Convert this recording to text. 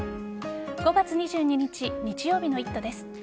５月２２日日曜日の「イット！」です。